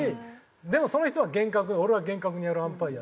でもその人は厳格俺は厳格にやるアンパイア。